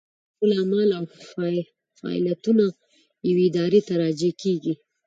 ټول اعمال او فاعلیتونه یوې ارادې ته راجع کېږي.